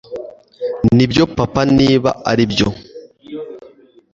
nibyo papa, niba aribyo